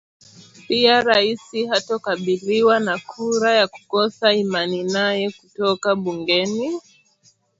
Pia Rais hatokabiliwa na kura ya kukosa imani nae kutoka bungeni